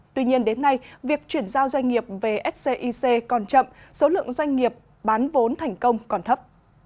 tuy nhiên đến nay việc chuyển giao doanh nghiệp về scic còn chậm số lượng doanh nghiệp bán vốn thành công còn thấp